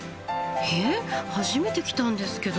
えっ初めて来たんですけど。